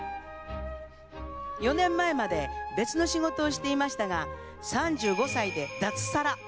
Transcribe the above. ４年前まで別の仕事をしていましたが３５歳で脱サラ。